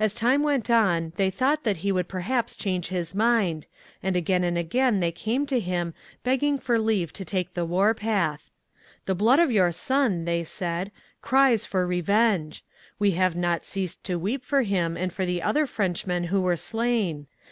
As time went on, they thought that he would perhaps change his mind, and again and again they came to him begging for leave to take the war path. 'The blood of your son,' they said, 'cries for revenge. We have not ceased to weep for him and for the other Frenchmen who were slain.